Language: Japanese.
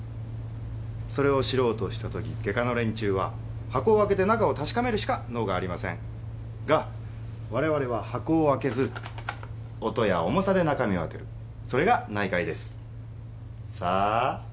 それを知ろうとしたとき外科の連中は箱を開けて中を確かめるしか能がありませんが我々は箱を開けず音や重さで中身を当てるそれが内科医ですさあ